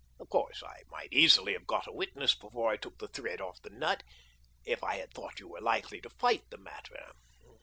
Of course I might easily have got a witness before I took the thread off the nut, if I had thought you were likely to fight the matter.